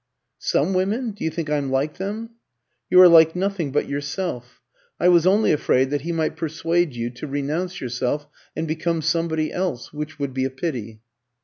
"Some women? Do you think I'm like them?" "You are like nothing but yourself. I was only afraid that he might persuade you to renounce yourself and become somebody else, which would be a pity."